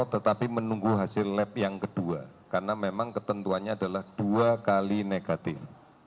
tetapi menunggu hasil lab yang kedua karena memang ketentuannya adalah dua kali negatif